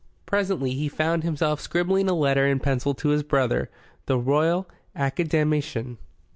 Presently he found himself scribbling a letter in pencil to his brother, the Royal Academician.